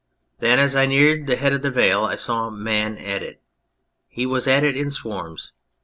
Then, as I neared the head of the vale I saw Man at it. He was at it in swarms.